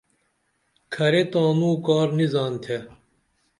کھرے تانو کار نی زانتھے